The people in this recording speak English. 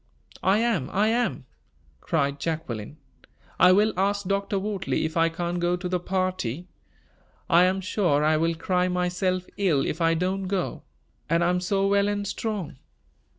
"I am! I am!" cried Jacqueline. "I will ask Dr. Wortley if I can't go to the party. I am sure I will cry myself ill if I don't go; and I am so well and strong."